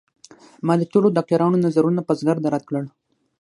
ما د ټولو ډاکترانو نظرونه په زغرده رد کړل